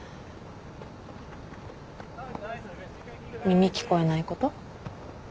耳聞こえないこと。